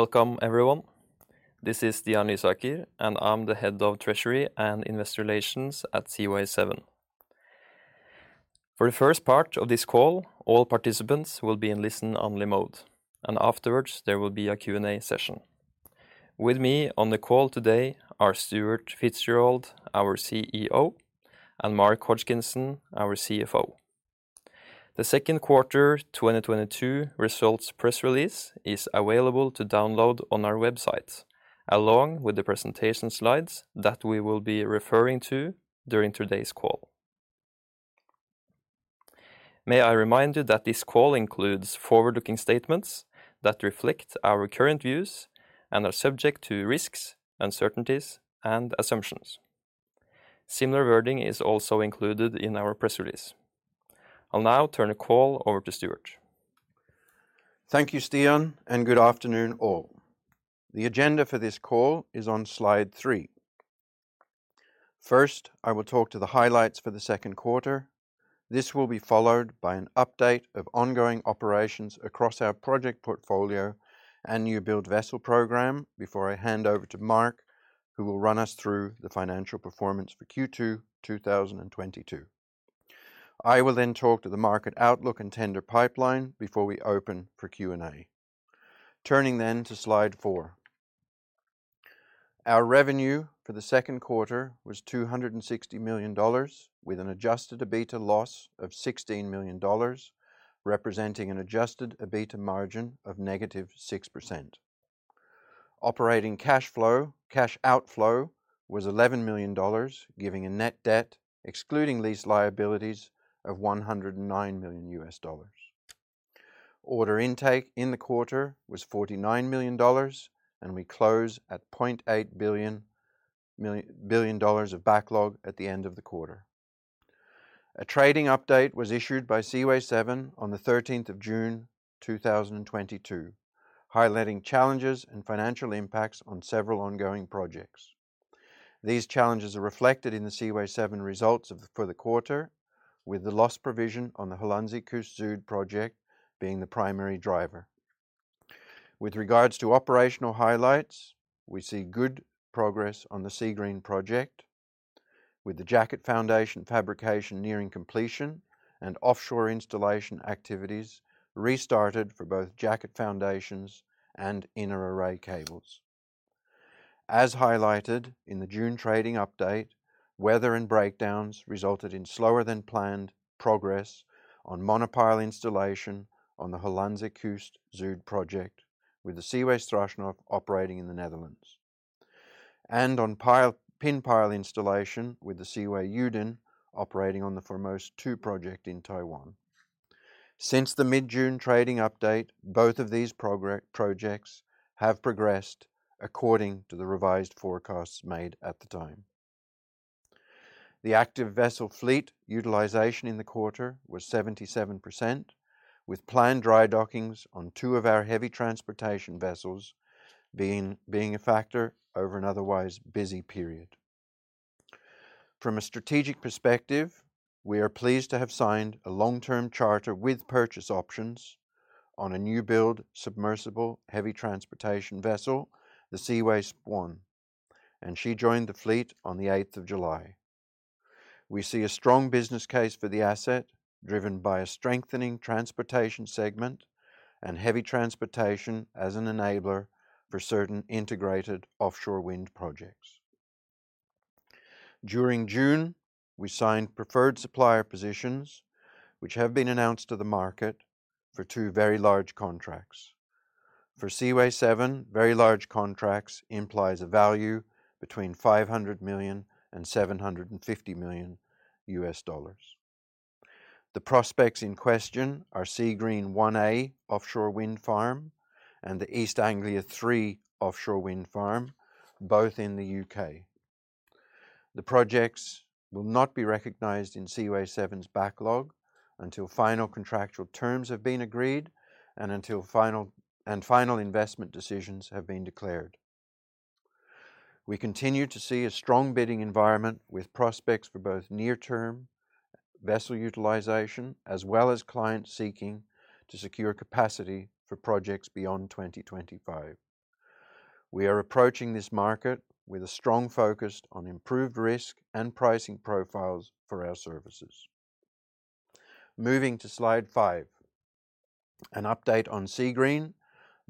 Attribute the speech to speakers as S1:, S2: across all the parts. S1: Welcome everyone. This is Stian Lysaker, and I'm the head of Treasury and Investor Relations at Seaway 7. For the first part of this call, all participants will be in listen only mode, and afterwards there will be a Q&A session. With me on the call today are Stuart Fitzgerald, our CEO, and Mark Hodgkinson, our CFO. The second quarter 2022 results press release is available to download on our website along with the presentation slides that we will be referring to during today's call. May I remind you that this call includes forward-looking statements that reflect our current views and are subject to risks, uncertainties, and assumptions. Similar wording is also included in our press release. I'll now turn the call over to Stuart.
S2: Thank you, Stian, and good afternoon all. The agenda for this call is on slide three. First, I will talk to the highlights for the second quarter. This will be followed by an update of ongoing operations across our project portfolio and new build vessel program before I hand over to Mark who will run us through the financial performance for Q2 2022. I will then talk to the market outlook and tender pipeline before we open for Q&A. Turning then to slide four. Our revenue for the second quarter was $260 million with an adjusted EBITDA loss of $16 million, representing an adjusted EBITDA margin of -6%. Operating cash flow, cash outflow was $11 million, giving a net debt excluding these liabilities of $109 million. Order intake in the quarter was $49 million, and we closed at $0.8 billion of backlog at the end of the quarter. A trading update was issued by Seaway 7 on the 13th of June 2022, highlighting challenges and financial impacts on several ongoing projects. These challenges are reflected in the Seaway 7 results for the quarter with the loss provision on the Hollandse Kust Zuid project being the primary driver. With regards to operational highlights, we see good progress on the Seagreen project with the jacket foundation fabrication nearing completion and offshore installation activities restarted for both jacket foundations and inter-array cables. As highlighted in the June trading update, weather and breakdowns resulted in slower than planned progress on monopile installation on the Hollandse Kust Zuid project with the Seaway Strashnov operating in the Netherlands. On monopile, pin pile installation with the Seaway Yudin operating on the Formosa Two project in Taiwan. Since the mid-June trading update, both of these projects have progressed according to the revised forecasts made at the time. The active vessel fleet utilization in the quarter was 77% with planned dry dockings on two of our heavy transportation vessels being a factor over an otherwise busy period. From a strategic perspective, we are pleased to have signed a long-term charter with purchase options on a new build submersible heavy transportation vessel, the Seaway Swan, and she joined the fleet on the 8th of July. We see a strong business case for the asset driven by a strengthening transportation segment and heavy transportation as an enabler for certain integrated offshore wind projects. During June, we signed preferred supplier positions which have been announced to the market for two very large contracts. For Seaway 7, very large contracts implies a value between $500 million and $750 million. The prospects in question are Seagreen 1A offshore wind farm and the East Anglia Three offshore wind farm, both in the U.K. The projects will not be recognized in Seaway 7's backlog until final contractual terms have been agreed and until final investment decisions have been declared. We continue to see a strong bidding environment with prospects for both near term vessel utilization as well as clients seeking to secure capacity for projects beyond 2025. We are approaching this market with a strong focus on improved risk and pricing profiles for our services. Moving to slide five, an update on Seagreen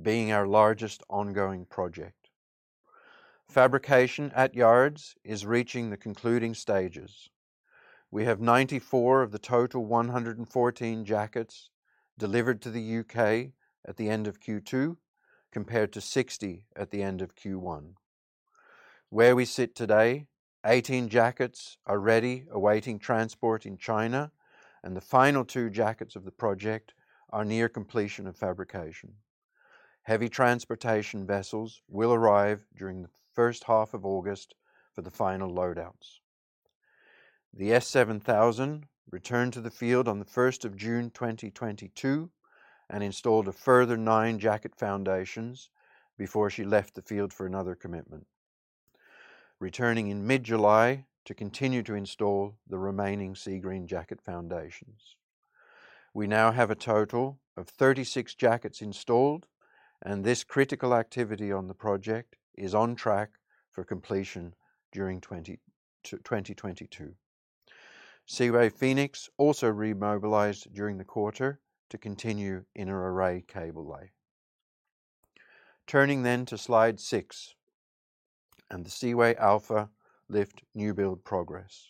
S2: being our largest ongoing project. Fabrication at yards is reaching the concluding stages. We have 94 of the total 114 jackets delivered to the U.K. at the end of Q2 compared to 60 at the end of Q1. Where we sit today, 18 jackets are ready awaiting transport in China, and the final two jackets of the project are near completion of fabrication. Heavy transportation vessels will arrive during the first half of August for the final load outs. The S7000 returned to the field on the first of June 2022 and installed a further nine jacket foundations before she left the field for another commitment. Returning in mid-July to continue to install the remaining Seagreen jacket foundations. We now have a total of 36 jackets installed, and this critical activity on the project is on track for completion during 2022. Seaway Phoenix also remobilized during the quarter to continue inter-array cable lay. Turning then to slide six and the Seaway Alfa Lift new build progress.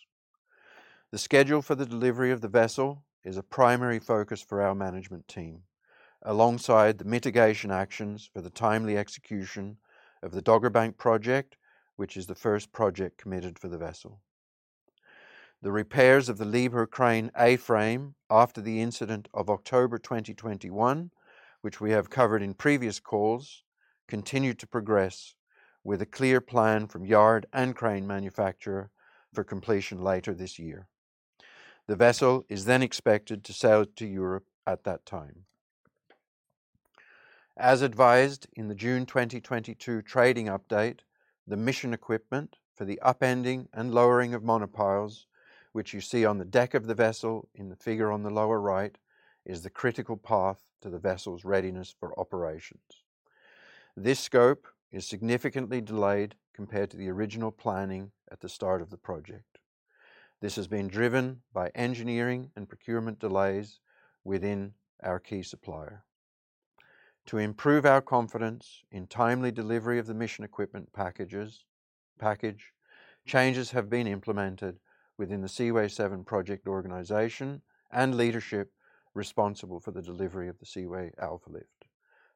S2: The schedule for the delivery of the vessel is a primary focus for our management team, alongside the mitigation actions for the timely execution of the Dogger Bank project, which is the first project committed for the vessel. The repairs of the Liebherr Crane A-frame after the incident of October 2021, which we have covered in previous calls, continue to progress with a clear plan from yard and crane manufacturer for completion later this year. The vessel is then expected to sail to Europe at that time. As advised in the June 2022 trading update, the mission equipment for the upending and lowering of monopiles, which you see on the deck of the vessel in the figure on the lower right, is the critical path to the vessel's readiness for operations. This scope is significantly delayed compared to the original planning at the start of the project. This has been driven by engineering and procurement delays within our key supplier. To improve our confidence in timely delivery of the mission equipment packages, changes have been implemented within the Seaway 7 project organization and leadership responsible for the delivery of the Seaway Alfa Lift,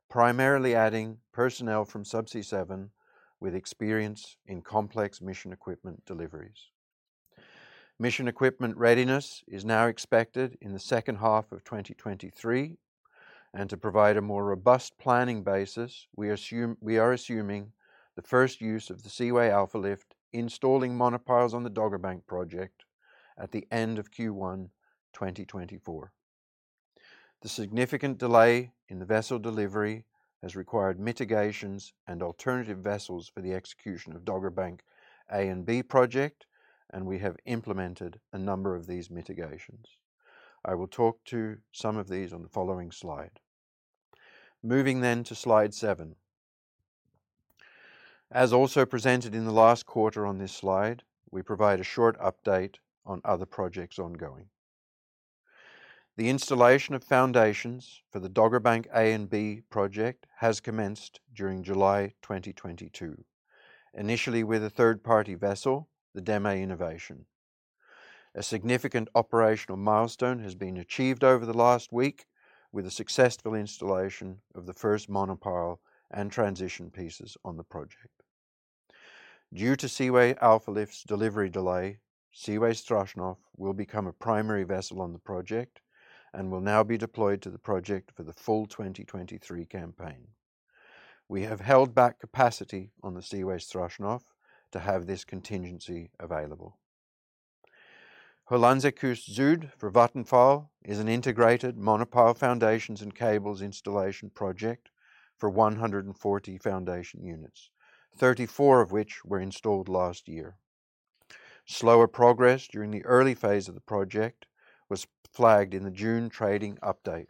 S2: primarily adding personnel from Subsea 7 with experience in complex mission equipment deliveries. Mission equipment readiness is now expected in the second half of 2023, and to provide a more robust planning basis, we are assuming the first use of the Seaway Alfa Lift installing monopiles on the Dogger Bank project at the end of Q1 2024. The significant delay in the vessel delivery has required mitigations and alternative vessels for the execution of Dogger Bank A and B project, and we have implemented a number of these mitigations. I will talk to some of these on the following slide. Moving then to slide seven. As also presented in the last quarter on this slide, we provide a short update on other projects ongoing. The installation of foundations for the Dogger Bank A and B project has commenced during July 2022, initially with a third-party vessel, the DEME Innovation. A significant operational milestone has been achieved over the last week with the successful installation of the first monopile and transition pieces on the project. Due to Seaway Alfa Lift's delivery delay, Seaway Strashnov will become a primary vessel on the project and will now be deployed to the project for the full 2023 campaign. We have held back capacity on the Seaway Strashnov to have this contingency available. Hollandse Kust Zuid for Vattenfall is an integrated monopile foundations and cables installation project for 140 foundation units, 34 of which were installed last year. Slower progress during the early phase of the project was flagged in the June trading update,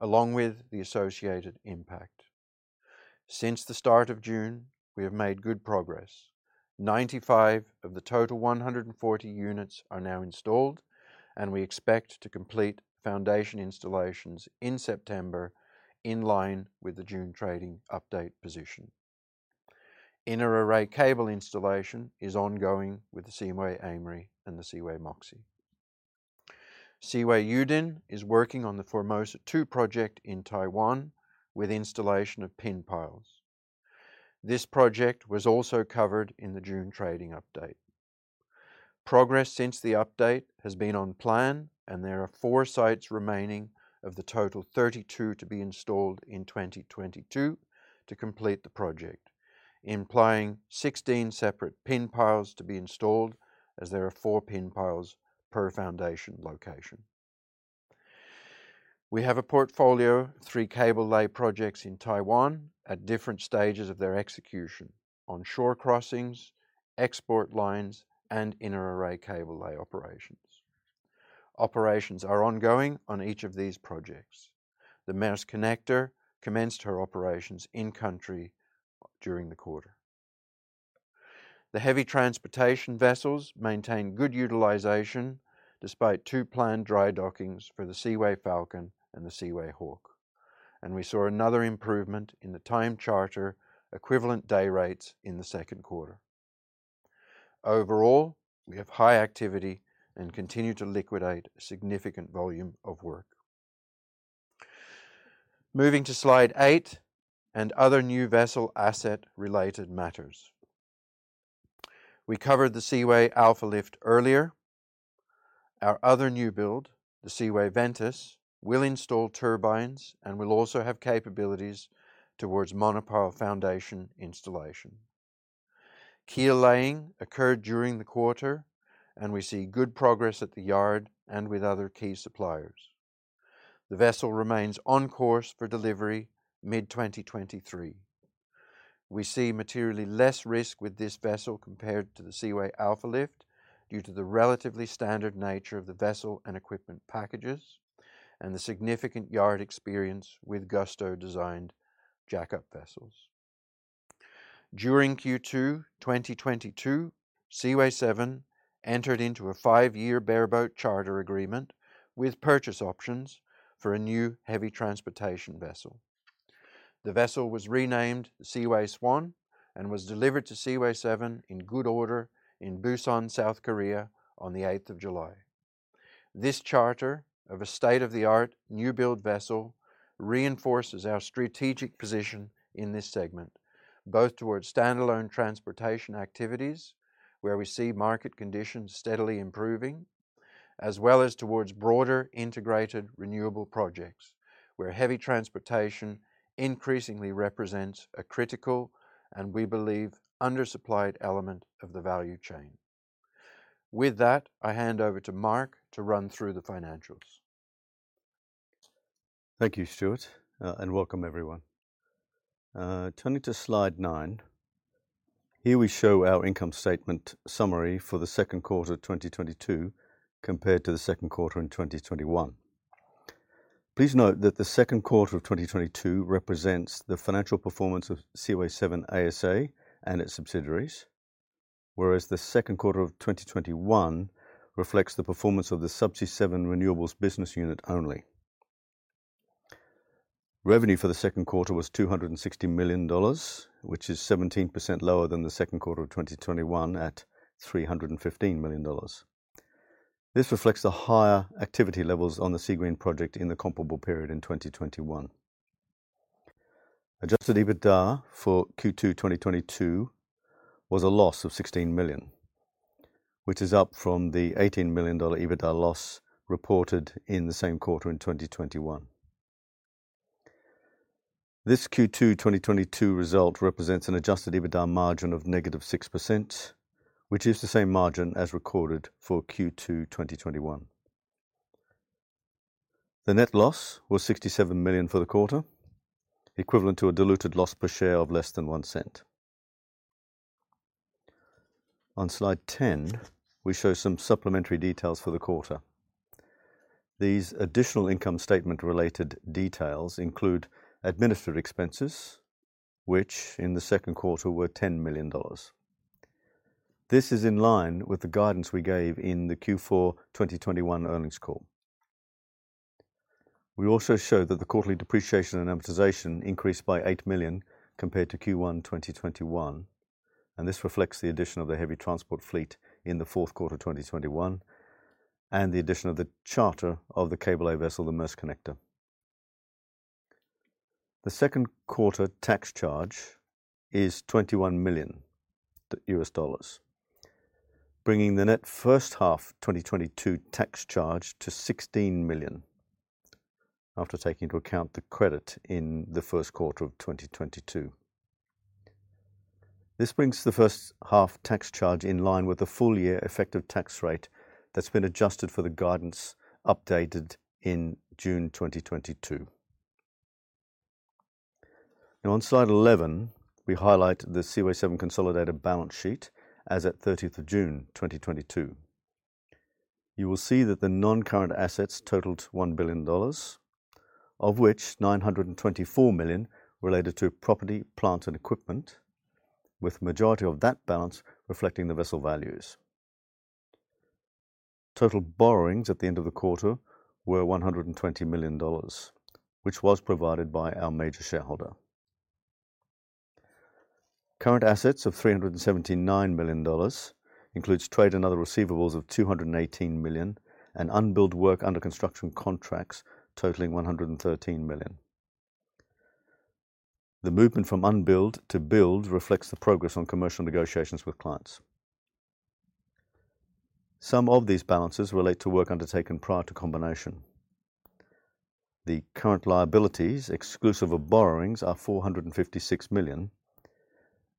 S2: along with the associated impact. Since the start of June, we have made good progress. 95 of the total 140 units are now installed, and we expect to complete foundation installations in September in line with the June trading update position. Inter-array cable installation is ongoing with the Seaway Aimery and the Seaway Moxie. Seaway Yudin is working on the Formosa Two project in Taiwan with installation of pin piles. This project was also covered in the June trading update. Progress since the update has been on plan, and there are four sites remaining of the total 32 to be installed in 2022 to complete the project, implying 16 separate pin piles to be installed as there are four pin piles per foundation location. We have a portfolio of three cable lay projects in Taiwan at different stages of their execution on shore crossings, export lines and inter-array cable lay operations. Operations are ongoing on each of these projects. The Maersk Connector commenced her operations in country during the quarter. The heavy transportation vessels maintain good utilization despite two planned dry dockings for the Seaway Falcon and the Seaway Hawk, and we saw another improvement in the time charter equivalent day rates in the second quarter. Overall, we have high activity and continue to liquidate significant volume of work. Moving to slide eight and other new vessel asset related matters. We covered the Seaway Alfa Lift earlier. Our other new build, the Seaway Ventus, will install turbines and will also have capabilities towards monopile foundation installation. Keel laying occurred during the quarter, and we see good progress at the yard and with other key suppliers. The vessel remains on course for delivery mid-2023. We see materially less risk with this vessel compared to the Seaway Alfa Lift due to the relatively standard nature of the vessel and equipment packages and the significant yard experience with GustoMSC-designed jack-up vessels. During Q2 2022, Seaway 7 entered into a five-year bareboat charter agreement with purchase options for a new heavy transportation vessel. The vessel was renamed Seaway Swan and was delivered to Seaway 7 in good order in Busan, South Korea, on the 8th of July. This charter of a state-of-the-art new build vessel reinforces our strategic position in this segment, both towards standalone transportation activities, where we see market conditions steadily improving, as well as towards broader integrated renewable projects, where heavy transportation increasingly represents a critical and we believe undersupplied element of the value chain. With that, I hand over to Mark to run through the financials.
S3: Thank you, Stuart, and welcome everyone. Turning to slide nine, here we show our income statement summary for the second quarter 2022 compared to the second quarter in 2021. Please note that the second quarter of 2022 represents the financial performance of Seaway 7 ASA and its subsidiaries, whereas the second quarter of 2021 reflects the performance of the Subsea 7 renewables business unit only. Revenue for the second quarter was $260 million, which is 17% lower than the second quarter of 2021 at $315 million. This reflects the higher activity levels on the Seagreen project in the comparable period in 2021. Adjusted EBITDA for Q2 2022 was a loss of $16 million, which is up from the $18 million EBITDA loss reported in the same quarter in 2021. This Q2 2022 result represents an adjusted EBITDA margin of -6%, which is the same margin as recorded for Q2 2021. The net loss was $67 million for the quarter, equivalent to a diluted loss per share of less than $0.01. On slide 10, we show some supplementary details for the quarter. These additional income statement related details include administrative expenses, which in the second quarter were $10 million. This is in line with the guidance we gave in the Q4 2021 earnings call. We also show that the quarterly depreciation and amortization increased by $8 million compared to Q1 2021, and this reflects the addition of the heavy transport fleet in the fourth quarter 2021 and the addition of the charter of the cable lay vessel, the Maersk Connector. The second quarter tax charge is $21 million, bringing the net first half 2022 tax charge to $16 million after taking into account the credit in the first quarter of 2022. This brings the first half tax charge in line with the full year effective tax rate that's been adjusted for the guidance updated in June 2022. Now on slide 11, we highlight the Seaway 7 consolidated balance sheet as at thirtieth of June 2022. You will see that the non-current assets totaled $1 billion, of which $924 million related to property, plant, and equipment, with majority of that balance reflecting the vessel values. Total borrowings at the end of the quarter were $120 million, which was provided by our major shareholder. Current assets of $379 million includes trade and other receivables of $218 million and unbilled work under construction contracts totaling $113 million. The movement from unbilled to billed reflects the progress on commercial negotiations with clients. Some of these balances relate to work undertaken prior to combination. The current liabilities exclusive of borrowings are $456 million,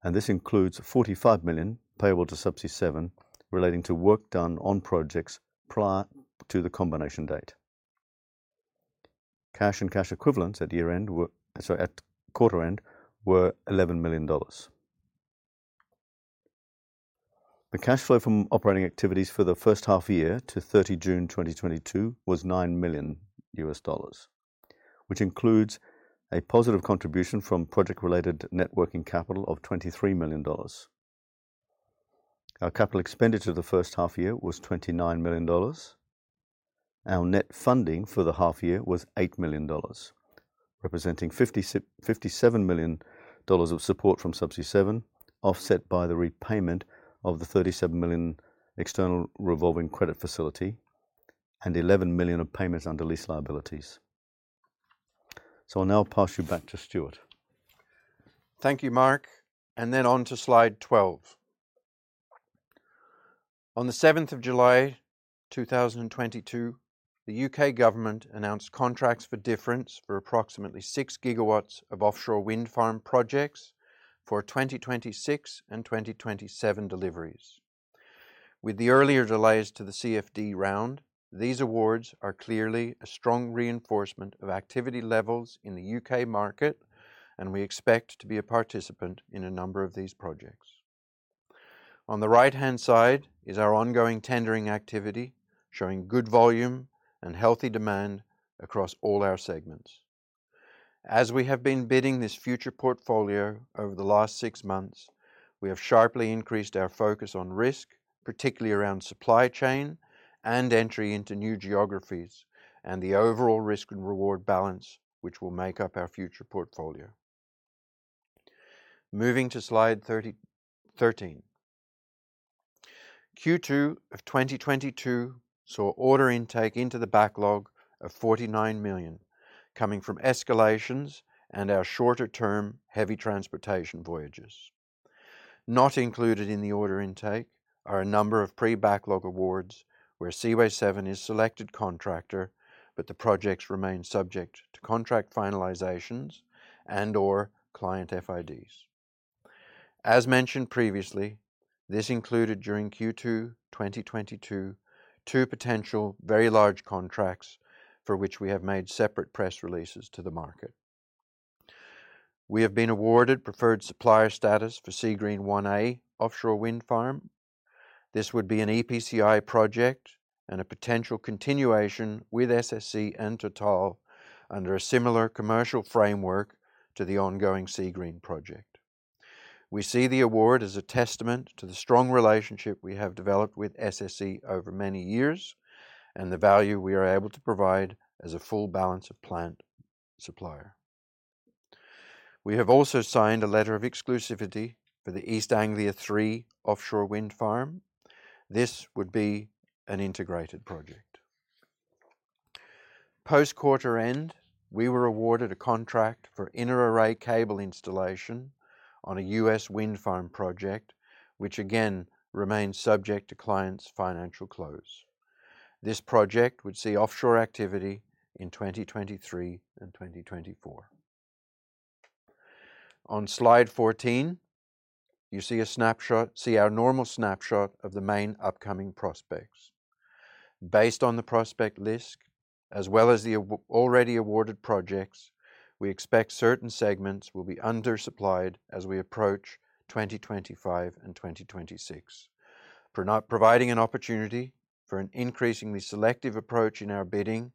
S3: and this includes $45 million payable to Subsea 7 relating to work done on projects prior to the combination date. Cash and cash equivalents at quarter end were $11 million. The cash flow from operating activities for the first half year to 30 June 2022 was $9 million, which includes a positive contribution from project-related net working capital of $23 million. Our capital expenditure the first half year was $29 million. Our net funding for the half year was $8 million, representing $57 million of support from Subsea 7, offset by the repayment of the $37 million external revolving credit facility and $11 million of payments under lease liabilities. I'll now pass you back to Stuart.
S2: Thank you, Mark. Then on to slide 12. On the 7th of July 2022, the U.K. government announced contracts for difference for approximately 6 GW of offshore wind farm projects for 2026 and 2027 deliveries. With the earlier delays to the CFD round, these awards are clearly a strong reinforcement of activity levels in the U.K. market, and we expect to be a participant in a number of these projects. On the right-hand side is our ongoing tendering activity, showing good volume and healthy demand across all our segments. As we have been bidding this future portfolio over the last six months, we have sharply increased our focus on risk, particularly around supply chain and entry into new geographies, and the overall risk and reward balance which will make up our future portfolio. Moving to slide 31. Q2 of 2022 saw order intake into the backlog of $49 million, coming from escalations and our shorter-term heavy transportation voyages. Not included in the order intake are a number of pre-backlog awards where Seaway 7 is selected contractor but the projects remain subject to contract finalizations and/or client FIDs. As mentioned previously, this included during Q2 2022 two potential very large contracts for which we have made separate press releases to the market. We have been awarded preferred supplier status for Seagreen 1A offshore wind farm. This would be an EPCI project and a potential continuation with SSE and Total under a similar commercial framework to the ongoing Seagreen project. We see the award as a testament to the strong relationship we have developed with SSE over many years and the value we are able to provide as a full balance of plant supplier. We have also signed a letter of exclusivity for the East Anglia Three Offshore Wind Farm. This would be an integrated project. Post quarter end, we were awarded a contract for inter-array cable installation on a U.S. wind farm project, which again remains subject to client's financial close. This project would see offshore activity in 2023 and 2024. On slide 14, you see our normal snapshot of the main upcoming prospects. Based on the prospect list, as well as the already awarded projects, we expect certain segments will be undersupplied as we approach 2025 and 2026, providing an opportunity for an increasingly selective approach in our bidding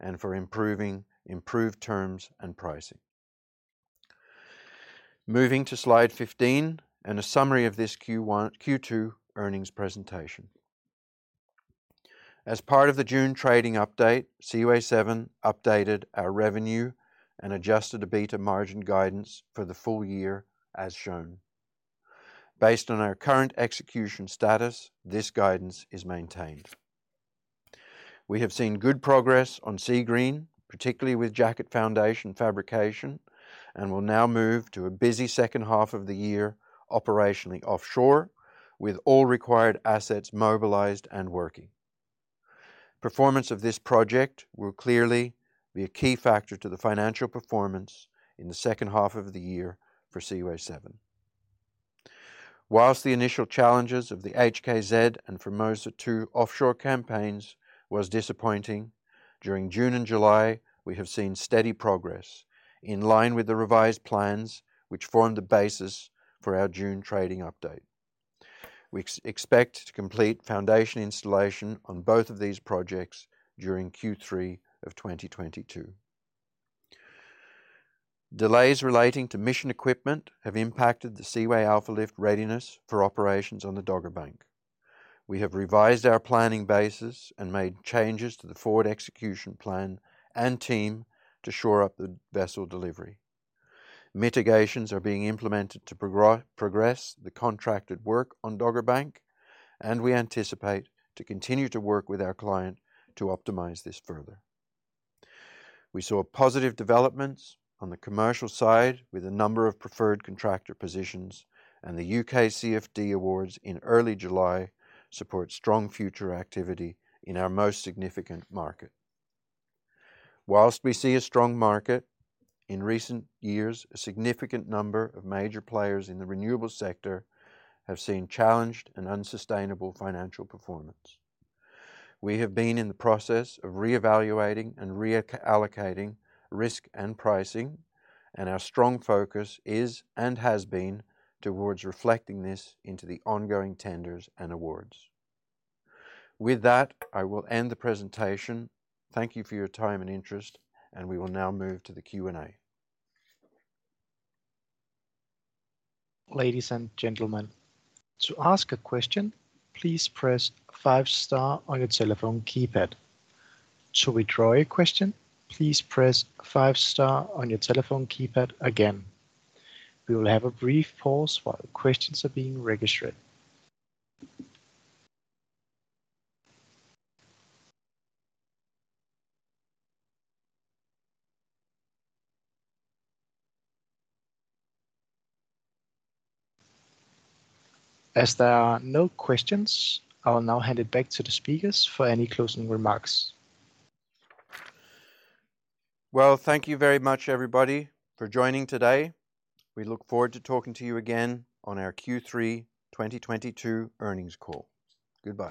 S2: and for improved terms and pricing. Moving to slide 15 and a summary of this Q2 earnings presentation. As part of the June trading update, Seaway 7 updated our revenue and adjusted EBITDA margin guidance for the full year as shown. Based on our current execution status, this guidance is maintained. We have seen good progress on Seagreen, particularly with jacket foundation fabrication, and will now move to a busy second half of the year operationally offshore, with all required assets mobilized and working. Performance of this project will clearly be a key factor to the financial performance in the second half of the year for Seaway 7. While the initial challenges of the HKZ and Formosa Two offshore campaigns was disappointing, during June and July, we have seen steady progress in line with the revised plans, which form the basis for our June trading update. We expect to complete foundation installation on both of these projects during Q3 of 2022. Delays relating to mission equipment have impacted the Seaway Alfa Lift readiness for operations on the Dogger Bank. We have revised our planning basis and made changes to the forward execution plan and team to shore up the vessel delivery. Mitigations are being implemented to progress the contracted work on Dogger Bank, and we anticipate to continue to work with our client to optimize this further. We saw positive developments on the commercial side with a number of preferred contractor positions, and the U.K. CFD awards in early July support strong future activity in our most significant market. While we see a strong market, in recent years, a significant number of major players in the renewable sector have seen challenged and unsustainable financial performance. We have been in the process of reevaluating and reallocating risk and pricing, and our strong focus is and has been towards reflecting this into the ongoing tenders and awards. With that, I will end the presentation. Thank you for your time and interest, and we will now move to the Q&A.
S4: Ladies and gentlemen, to ask a question, please press five star on your telephone keypad. To withdraw your question, please press five star on your telephone keypad again. We will have a brief pause while questions are being registered. As there are no questions, I will now hand it back to the speakers for any closing remarks.
S2: Well, thank you very much, everybody, for joining today. We look forward to talking to you again on our Q3 2022 earnings call. Goodbye.